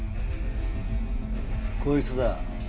こいつだ。